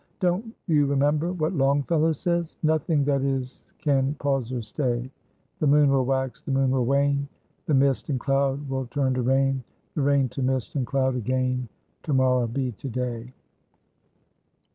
Don't you remember what Longfellow says? "'Nothing that is can pause or stay, The moon will wax, the moon will wane, The mist and cloud will turn to rain, The rain to mist and cloud again, To morrow be to day.'"